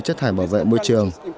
chất thải bảo vệ môi trường